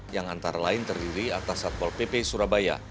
yang antara lain terdiri atas satpol pp surabaya